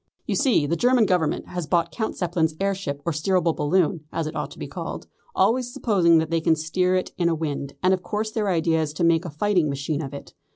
You see the German Government has bought Count Zeppelin's air ship or steerable balloon, as it ought to be called, always supposing that they can steer it in a wind, and of course their idea is to make a fighting machine of it.